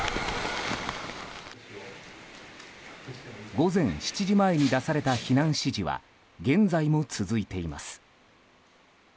午前７時前に出された避難指示は現在も続いています。